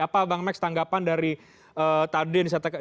apa bang max tanggapan dari tadi yang disampaikan